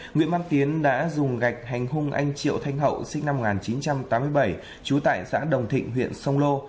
nguyễn văn tiến đã dùng gạch hành hung anh triệu thanh hậu sinh năm một nghìn chín trăm tám mươi bảy trú tại xã đồng thịnh huyện sông lô